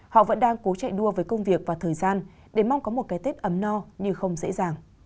họ vẫn đang cố chạy đua với công việc và thời gian để mong có một cái tết ấm no nhưng không dễ dàng